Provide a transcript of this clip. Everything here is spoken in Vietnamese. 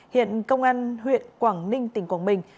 hiện công an huyện quảng ninh tỉnh quảng bình